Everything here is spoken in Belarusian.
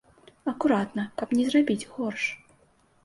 Акуратна, каб не зрабіць горш.